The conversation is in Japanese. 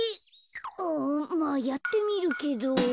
うんまあやってみるけど。